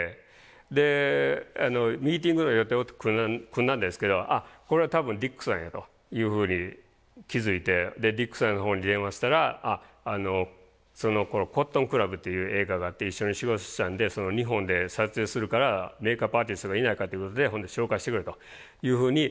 でミーティングの予定を組んだんですけどあっこれは多分ディックさんやというふうに気付いてでディックさんのほうに電話したらそのころ「コットンクラブ」っていう映画があって一緒に仕事したんで日本で撮影するからメイクアップアーティストがいないかっていうことで紹介してくれというふうに。